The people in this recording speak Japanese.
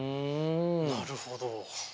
なるほど。